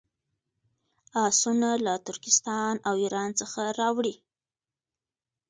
آسونه له ترکستان او ایران څخه راوړي.